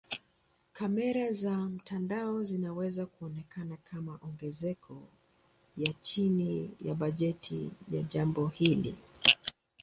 Kamera za mtandao zinaweza kuonekana kama ongezeko ya chini ya bajeti ya jambo hili.